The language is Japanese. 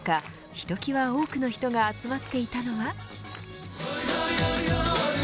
ひときわ多くの人が集まっていたのは。